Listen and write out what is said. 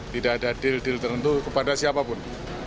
tidak ada deal deal tertentu kepada siapapun